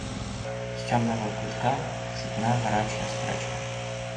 З цёмнага кутка чутна гарачая спрэчка.